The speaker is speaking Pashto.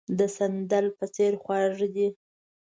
د سندل په څېر خواږه دي.